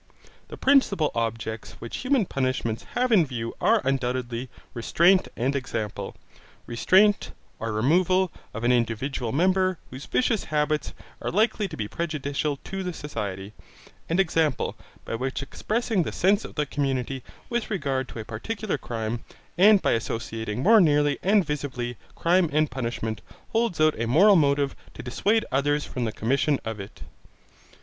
The principal objects which human punishments have in view are undoubtedly restraint and example; restraint, or removal, of an individual member whose vicious habits are likely to be prejudicial to the society'; and example, which by expressing the sense of the community with regard to a particular crime, and by associating more nearly and visibly crime and punishment, holds out a moral motive to dissuade others from the commission of it.